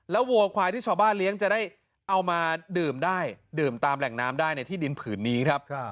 วัวควายที่ชาวบ้านเลี้ยงจะได้เอามาดื่มได้ดื่มตามแหล่งน้ำได้ในที่ดินผืนนี้ครับ